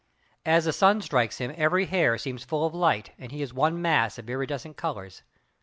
As the sun strikes him every hair seems full of light and he is one mass of iridescent colors.